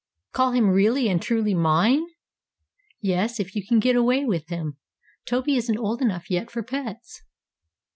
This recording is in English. call him really and truly mine?" "Yes, if you can get away with him. Toby isn't old enough yet for pets."